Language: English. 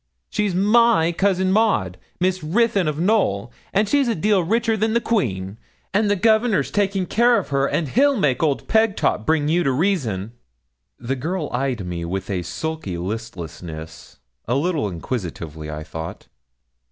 'She's my cousin Maud Miss Ruthyn of Knowl and she's a deal richer than the Queen; and the Governor's taking care of her; and he'll make old Pegtop bring you to reason.' The girl eyed me with a sulky listlessness, a little inquisitively, I thought.